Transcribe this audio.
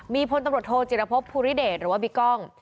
มีพลตำรวจโทจิรพบภูริเดชหรือว่าบิ๊กกล้อง